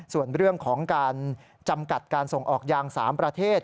ส่วนเรื่องของการจำกัดการส่งออกยาง๓ประเทศ